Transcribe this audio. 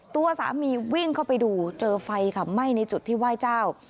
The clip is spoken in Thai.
ตัวสามีวิ่งเข้าไปดูเจอไฟค่ะไหม้ในจุดที่ไหว้เจ้า